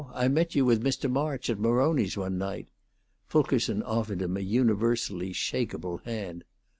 I met you with Mr. March at Maroni's one night." Fulkerson offered him a universally shakable hand.